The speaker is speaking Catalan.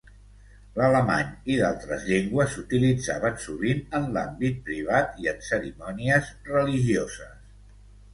L'alemany i d'altres llengües s'utilitzaven sovint en l'àmbit privat i en cerimònies religioses.